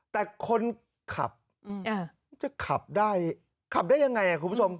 แต่คนขับจะขับได้ขับได้ยังไงคุณผู้ชม